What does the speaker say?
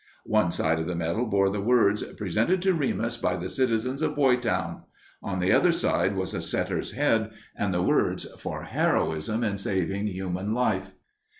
One side of the medal bore the words, "Presented to Remus by the citizens of Boytown." On the other side was a setter's head and the words, "For heroism in saving human life."